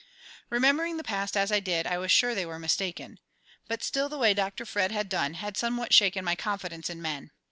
Remembering the past as I did, I was sure they were mistaken; but still the way Dr. Fred had done had somewhat shaken my confidence in men.